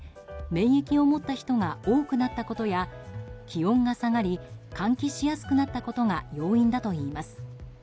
免疫を持った人が多くなったことや気温が下がり換気しやすくなったことが要因だといいます。